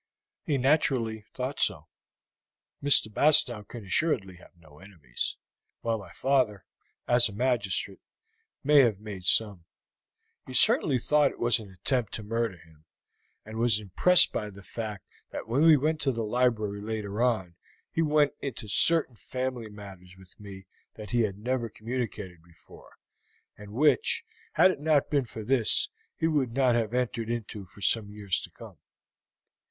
"He naturally thought so. Mr. Bastow can assuredly have no enemies, while my father, as a magistrate, may have made some. He certainly thought it was an attempt to murder him, and was so impressed by the fact that when we went to the library later on he went into certain family matters with me that he had never communicated before, and which, had it not been for this, he would not have entered into for some years to come."